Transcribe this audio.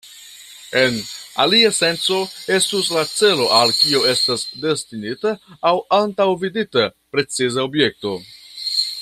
En alia senco estus la celo al kio estas destinita aŭ antaŭvidita preciza objekto.